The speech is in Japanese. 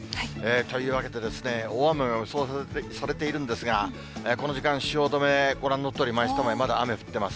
というわけで、大雨が予想されているんですが、この時間、汐留、ご覧のとおり、マイスタ前、まだ雨降っています。